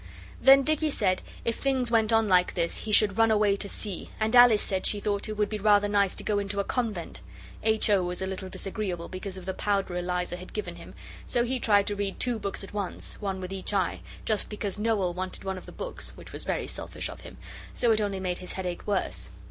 Then Dicky said if things went on like this he should run away to sea, and Alice said she thought it would be rather nice to go into a convent. H. O. was a little disagreeable because of the powder Eliza had given him, so he tried to read two books at once, one with each eye, just because Noel wanted one of the books, which was very selfish of him, so it only made his headache worse.